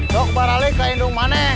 sok beralih ke indung mane